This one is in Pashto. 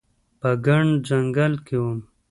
په ګڼ ځنګل کې وم